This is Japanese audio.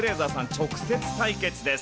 直接対決です。